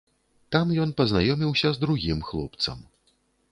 Там ён пазнаёміўся з другім хлопцам.